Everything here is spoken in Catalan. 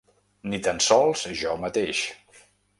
Ni tan sols jo mateix.